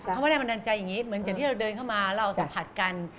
คำว่าแรงบันดาลใจอย่างนี้เหมือนจากที่เราเดินเข้ามาเราสัมผัสกัน